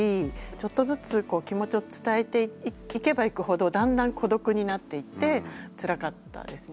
ちょっとずつこう気持ちを伝えていけばいくほどだんだん孤独になっていってつらかったです。